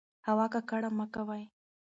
هوا ککړه مه کوئ.